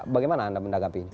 bagaimana anda menanggapi ini